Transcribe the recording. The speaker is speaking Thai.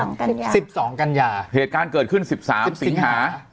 ๑๒กัญญา๑๒กัญญาเหตุการณ์เกิดขึ้น๑๓สิงหา